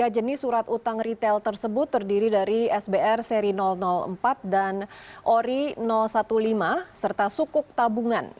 tiga jenis surat utang retail tersebut terdiri dari sbr seri empat dan ori lima belas serta sukuk tabungan